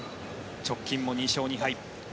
直近も２勝２敗。